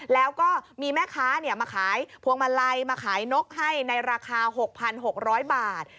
แล้วก็มีแม่ค้ามาขายพวงมาลัยมาขายนกให้ในราคา๖๖๐๐บาท